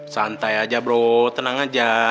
santai aja bro tenang aja